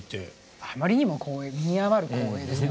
あまりにも身に余る光栄ですね